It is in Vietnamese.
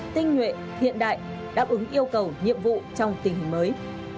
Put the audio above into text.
tinh nguyện hiện đại đáp ứng yêu cầu nhiệm vụ trong tình hình mới